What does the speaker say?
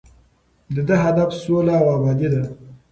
د ده هدف سوله او ابادي ده.